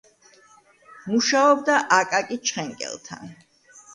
მუშაობდა აკაკი ჩხენკელთან.